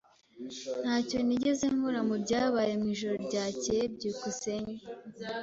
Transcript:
Ntacyo nigeze nkora mubyabaye mwijoro ryakeye. byukusenge